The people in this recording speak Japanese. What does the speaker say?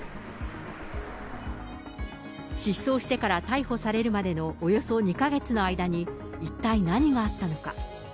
失踪してから逮捕されるまでのおよそ２か月の間に、一体何があったのか。